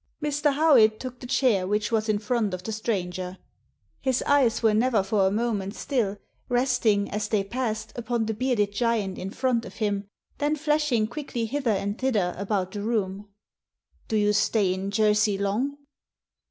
Mr. Howitt took the chair which was in front of the stranger. His eyes were never for a moment still, resting, as they passed, upon the bearded giant in front of him, then flashing quickly hither and thither about the room. " Do you stay in Jersey long